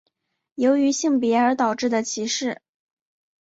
由于性别而导致的歧视。